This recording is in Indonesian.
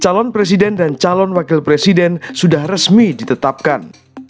calon presiden dan calon wakil presiden sudah resmi ditetapkan